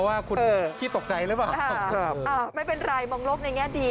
ไม่มีได้ออกกำลังกายไปในตัว